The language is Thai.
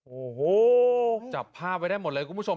โอ้โหจับภาพไว้ได้หมดเลยคุณผู้ชม